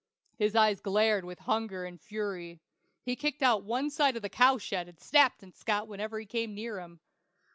His eyes glared with hunger and fury. He kicked out one side of the cowshed and snapped at Scott whenever he came near him.